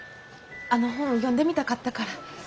あの本読んでみたかったから。